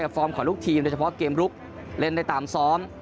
ฟอร์มของลูกทีมโดยเฉพาะเกมลุกเล่นได้ตามซ้อม